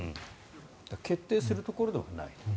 ただ決定するところではないと。